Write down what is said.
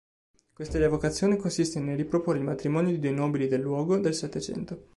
Questa rievocazione consiste nel riproporre il matrimonio di due nobili del luogo del Settecento.